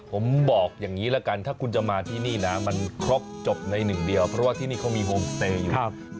ผมบอกอย่างนี้ละกันถ้าคุณจะมาที่นี่นะมันครบจบในหนึ่งเดียวเพราะว่าที่นี่เขามีโฮมสเตย์อยู่